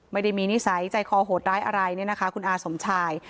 ไม่ได้มีนิสัยใจคอโหดร้ายอะไรเนี่ยนะคะคุณอาสมชาย